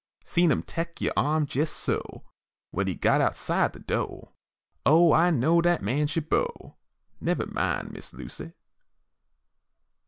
Seen him tek you' arm jes' so, When he got outside de do' Oh, I know dat man's yo' beau! Nevah min', Miss Lucy.